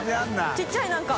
ちっちゃい何か。